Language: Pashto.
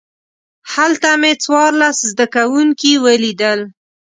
هلته مې څوارلس زده کوونکي ولیدل.